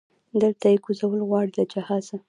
دلته دی کوزول غواړي له جهازه